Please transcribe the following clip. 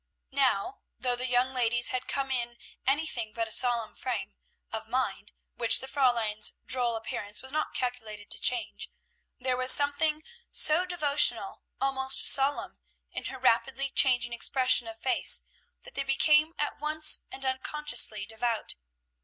Now, though the young ladies had come in anything but a solemn frame of mind, which the Fräulein's droll appearance was not calculated to change, there was something so devotional, almost solemn, in her rapidly changing expression of face, that they became at once and unconsciously devout.